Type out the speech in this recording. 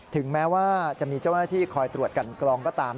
ถึงแม้ว่าจะมีเจ้าหน้าที่คอยตรวจกันกรองก็ตาม